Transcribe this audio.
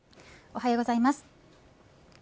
おはようございます。